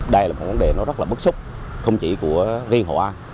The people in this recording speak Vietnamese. đây là một vấn đề rất bất xúc không chỉ của riêng họa